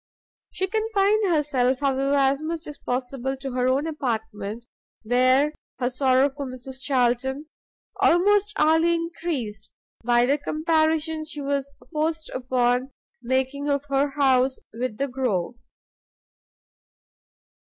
She confined herself, however, as much as possible to her own apartment, where her sorrow for Mrs Charlton almost hourly increased, by the comparison she was forced upon making of her house with the Grove.